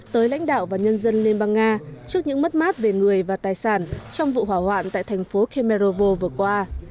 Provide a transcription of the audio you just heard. tới lãnh đạo và nhân dân liên bang nga trước những mất mát về người và tài sản trong vụ hỏa hoạn tại thành phố khmerovo vừa qua